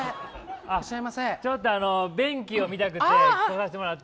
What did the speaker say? ちょっと便器を見たくて来させてもらって。